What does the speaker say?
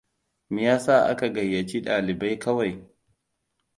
Meyasa aka gayyaci dalibai kawai?